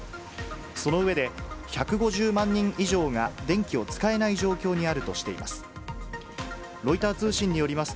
その上で、１５０万人以上が電気を使えない状況にあるとしています。